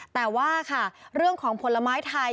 แต่ว่าค่ะเรื่องของผลไม้ไทย